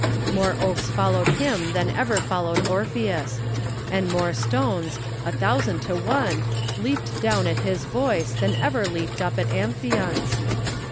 More oaks followed him than ever followed Orpheus ; and more stones, a thousand to one, leaped down at his voice than ever leaped up at Amphion's.